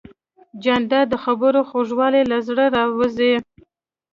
جانداد د خبرو خوږوالی له زړه راوزي.